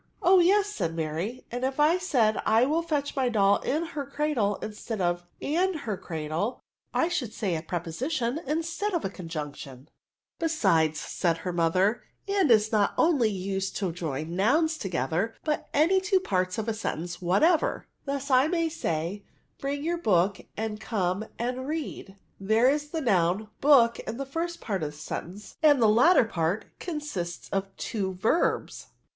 " Oh yes," said Mary ;" and if I said Iwill fetch my doll in her cradle, instead of andhst cradle, I should say a prepesition instead of a conjunction." CONJUNCTIONS. 97 '* Besides/' said lier mother^ " and is not only used to join nouns together, but any two parts of a sentence whatever: thus I may say, * Bring your book and come and read.* There is the noim book in the first part of the sentence, and the latter part con* sists of two verbs."